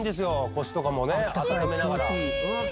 腰とかもねあっためながら。